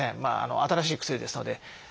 新しい薬ですので。